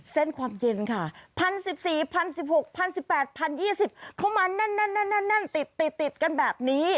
เส้นความเย็นค่ะ๑๐๑๔๐๑๖๐๑๘๐๒๐เข้ามาแน่นติดกันแบบนี้